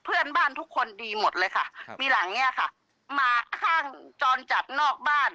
เพื่อนบ้านทุกคนดีหมดเลยค่ะครับมีหลังเนี้ยค่ะมาข้างจรจัดนอกบ้าน